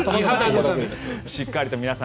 しっかりと皆さん